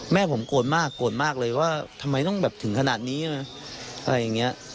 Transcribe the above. แม่ผมโกรธมากโกรธมากเลยว่าทำไมต้องแบบถึงขนาดนี้นะอะไรอย่างนี้